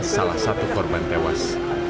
salah satu korban tewas